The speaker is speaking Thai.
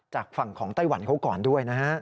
จากฝั่งของไต้หวันเขาก่อนด้วยนะฮะ